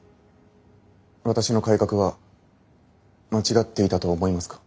私の改革は間違っていたと思いますか？